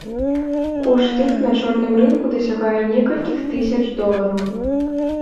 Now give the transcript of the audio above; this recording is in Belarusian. Кошт іх на чорным рынку дасягае некалькіх тысяч долараў.